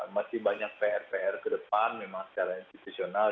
masih banyak pr pr kedepan memang secara institusional